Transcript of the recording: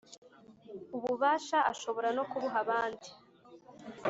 Ububasha ashobora no kubuha abandi